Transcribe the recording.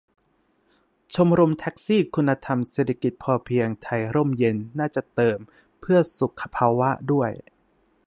ชมรมแท็กซี่คุณธรรมเศรษฐกิจพอเพียงไทยร่มเย็น น่าจะเติม 'เพื่อสุขภาวะ' ด้วย